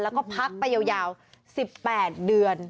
แล้วก็พักไปยาว๑๘เดือน